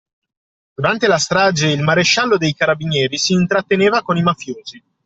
Durante la strage il maresciallo dei carabinieri si intratteneva con i mafiosi